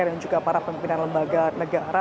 dan juga para pimpinan lembaga negara